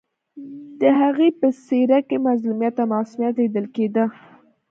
د هغې په څېره کې مظلومیت او معصومیت لیدل کېده